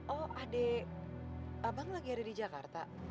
oh adik abang lagi ada di jakarta